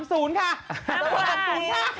ยินไปเลย๓๐ค่ะ